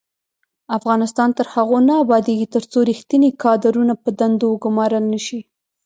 افغانستان تر هغو نه ابادیږي، ترڅو ریښتیني کادرونه په دندو وګمارل نشي.